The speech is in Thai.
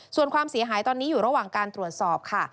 ส่วนความเสียหายตอนนี้อยู่ระหว่างการตรวจสอบค่ะ